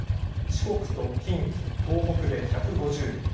四国と近畿、東北で１５０ミリ